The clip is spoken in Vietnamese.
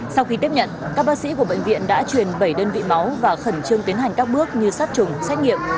sau khi tiếp nhận các bác sĩ của bệnh viện đã truyền bảy đơn vị máu và khẩn trương tiến hành các bước như sát trùng xét nghiệm